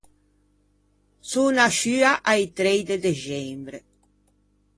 Son nasciua a-i trei de dexembre.